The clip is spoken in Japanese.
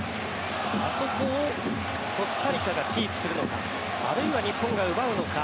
あそこをコスタリカがキープするのかあるいは日本が奪うのか。